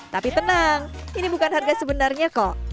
tapi tenang ini bukan harga sebenarnya kok